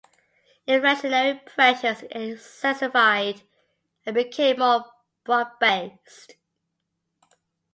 inflationary pressures intensified and became more broad- based.